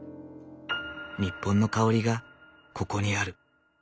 日本の香りがここにある。